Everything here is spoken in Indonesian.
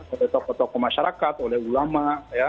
oleh tokoh tokoh masyarakat oleh ulama